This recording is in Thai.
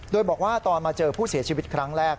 โดยบอกว่าตอนมาเจอผู้เสียชีวิตครั้งแรก